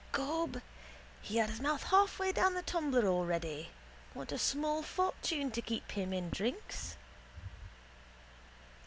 Gob, he had his mouth half way down the tumbler already. Want a small fortune to keep him in drinks.